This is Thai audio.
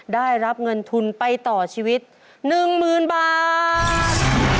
ได้รับเงินทุนไปต่อชีวิต๑๐๐๐บาท